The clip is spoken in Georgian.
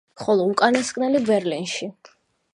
ხოლო უკანასკნელი ბერლინში.